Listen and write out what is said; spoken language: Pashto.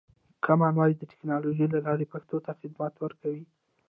کامن وایس د ټکنالوژۍ له لارې پښتو ته خدمت ورکوي.